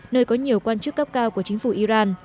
nơi có nhiều quan chức cấp cao của chính phủ iran